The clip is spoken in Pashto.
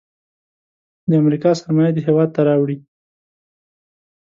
د امریکا سرمایه دې هیواد ته راوړي.